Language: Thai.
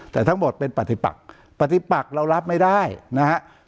แต่ทั้งหมดเป็นปฏิปักปฏิปักเรารับไม่ได้นะฮะ